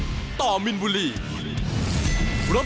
ส่วนคู่ต่อไปของกาวสีมือเจ้าระเข้ยวนะครับขอบคุณด้วย